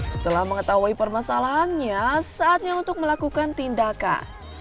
setelah mengetahui permasalahannya saatnya untuk melakukan tindakan